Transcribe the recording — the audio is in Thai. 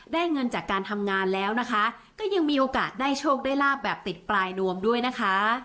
เงินจากการทำงานแล้วนะคะก็ยังมีโอกาสได้โชคได้ลาบแบบติดปลายนวมด้วยนะคะ